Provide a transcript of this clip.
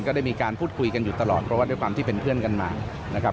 ได้มีการพูดคุยกันอยู่ตลอดเพราะว่าด้วยความที่เป็นเพื่อนกันมานะครับ